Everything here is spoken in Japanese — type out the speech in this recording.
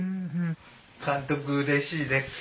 監督うれしいです。